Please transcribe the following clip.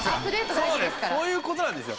そういう事なんですよ。